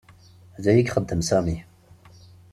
Da ay ixeddem Sami.